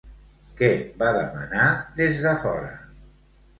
Què va demanar des de fora?